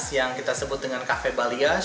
yang kita sebut dengan cafe balias